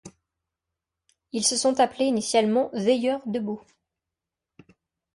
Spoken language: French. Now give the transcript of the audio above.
Ils se sont appelés initialement Veilleurs debout.